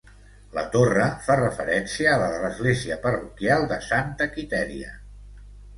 La torre fa referència a la de l'església parroquial de Santa Quitèria.